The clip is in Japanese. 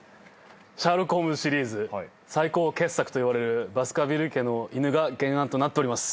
『シャーロック・ホームズ』シリーズ最高傑作といわれる『バスカヴィル家の犬』が原案となっております。